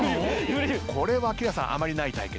これはＫｉＬａさんあまりない対決？